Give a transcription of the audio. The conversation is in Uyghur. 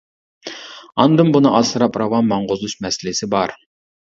ئاندىن بۇنى ئاسراپ راۋان ماڭغۇزۇش مەسىلىسى بار.